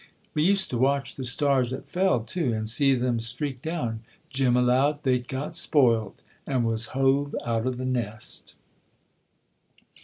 We used to watch the stars that fell, too, and see them streak down. Jim allowed they'd got spoiled and was hove out of the nest."